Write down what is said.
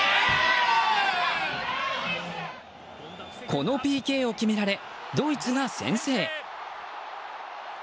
このＰＫを決められドイツが先制。